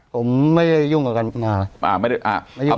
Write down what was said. ผมไม่ได้ยุ่งกับกันมา